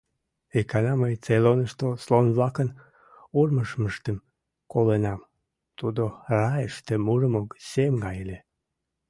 Икана мый Цейлонышто слон-влакын урмыжмыштым колынам, тудо райыште мурымо сем гай ыле...